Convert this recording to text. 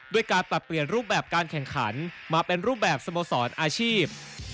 ด้วยการปรับเปลี่ยนรูปแบบการแข่งขันมาเป็นรูปแบบสโมสรอาชีพ